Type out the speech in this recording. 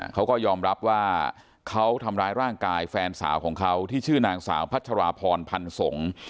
เขาก็ยอมรับว่าเขาทำร้ายร่างกายแฟนสาวของเขาที่ชื่อนางสาวพัชราพรพันธ์สงฆ์